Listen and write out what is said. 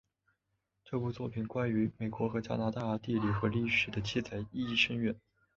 这部作品关于美国和加拿大的地理和历史的记载意义深远。